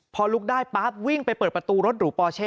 พอลุกได้ปั๊บวิ่งไปเปิดประตูรถหรูปอเช่